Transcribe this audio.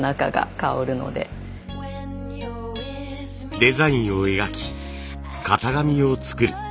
デザインを描き型紙を作る。